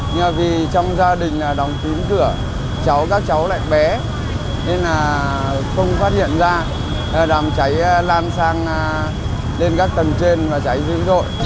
nhưng mà vì trong gia đình đóng kín cửa cháu các cháu lại bé nên là không phát hiện ra đám cháy lan sang lên các tầng trên và cháy dữ dội